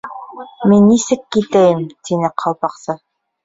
—Мин нисек китәйем, —тине Ҡалпаҡсы.